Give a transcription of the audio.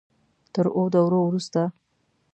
تر اوو دورو وروسته.